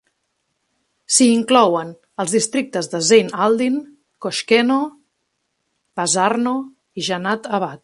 S'hi inclouen els districtes de Zeyn Aldin, Koshkeno, Bazarno i Janat abad.